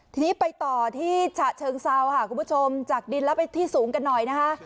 ทีนี้ไปต่อที่ฉะเชิงเซาค่ะคุณผู้ชมจากดินแล้วไปที่สูงกันหน่อยนะคะ